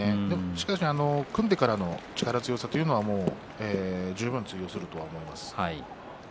しかし組んでからの力強さというのは十分、通用すると思います。